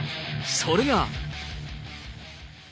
それが。